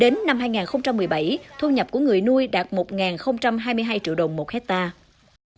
đến năm hai nghìn một mươi bảy thu nhập của người nuôi đạt một hai mươi hai triệu đồng một hectare